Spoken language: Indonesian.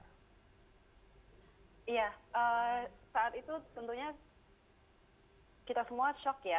iya saat itu tentunya kita semua shock ya